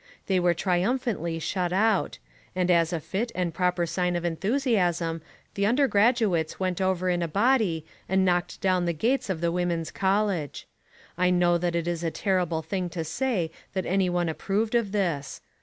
They were triumphantly shut out; and as a fit and proper sign of enthusiasm the undergraduates went over in a body and knocked down the gates of the women's college. I know that it is a terrible thing to say that any one approved of this.